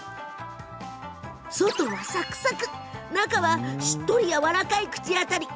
外は、さくさく中はしっとりやわらかい口当たり。